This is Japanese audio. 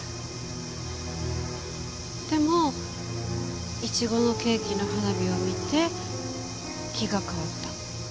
でもいちごのケーキの花火を見て気が変わった。